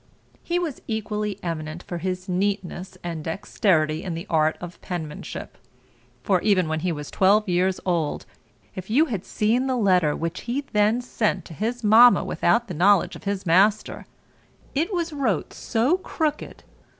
He was equally eminent for his neatness and dexterity in the art of penmanship; for, even when he was twelve years old, if you had seen the letter which he then sent to his mamma without the knowledge of his master, it was wrote so crooked (i.